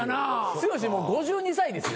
剛もう５２歳ですよ。